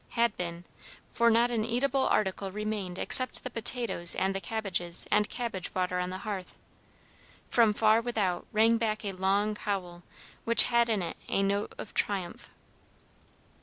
Had been; for not an eatable article remained except the potatoes and the cabbages and cabbage water on the hearth. From far without rang back a long howl which had in it a note of triumph.